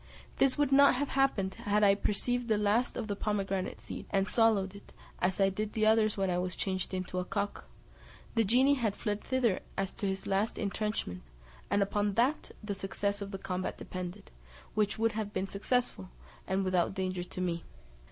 This would not have happened, had I perceived the last of the pomegranate seeds, and swallowed it, as I did the others when I was changed into a cock: the genie had fled thither as to his last intrenchment, and upon that the success of the combat depended, which would have been successful, and without danger to me.